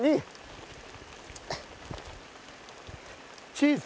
チーズ！